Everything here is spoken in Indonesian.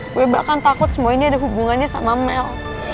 gue bahkan takut semua ini ada hubungannya sama mel